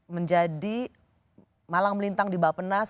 menjadi malang melintang di bapenas